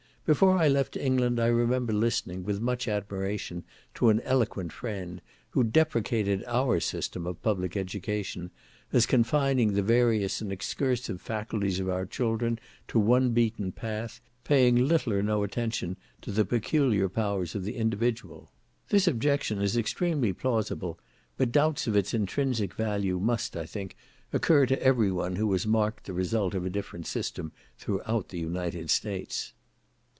Before I left England I remember listening, with much admiration, to an eloquent friend, who deprecated our system of public education, as confining the various and excursive faculties of our children to one beaten path, paying little or no attention to the peculiar powers of the individual. This objection is extremely plausible, but doubts of its intrinsic value must, I think, occur to every one who has marked the result of a different system throughout the United States.